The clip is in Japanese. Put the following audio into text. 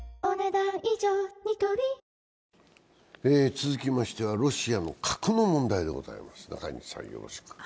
続きましては、ロシアの核の問題です。